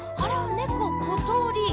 ねこことり。